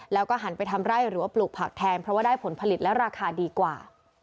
แล้วก็หันไปทำไร่หรือว่าปลูกผักแทนเพราะว่าได้ผลผลิตและราคาดีกว่า